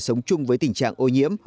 sống chung với tình trạng ô nhiễm